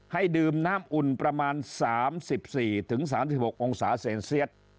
ให้ดื่มน้ำอุ่นประมาณ๓๔๓๖องศาเซลเซียต